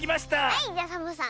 はいじゃサボさん。